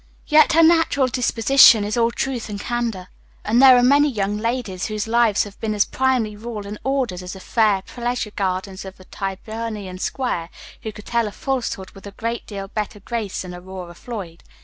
Yet her natural disposition is all truth and candor; and there are many young ladies, whose lives have been as primly ruled and ordered as the fair pleasure gardens of a Tyburnian Square, who could tell a falsehood with a great deal better grace than Aurora Floyd.